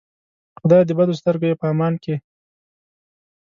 خدایه د بدو سترګو یې په امان کې.